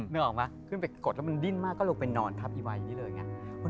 นึกออกไหมขึ้นไปกดแล้วมันดิ้นมากก็ลงไปนอนทับอีไวนี่เลยไง